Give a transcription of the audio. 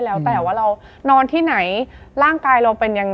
แล้วแต่ว่าเรานอนที่ไหน